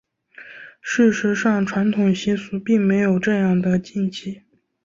事实上传统习俗并没有这样的禁忌。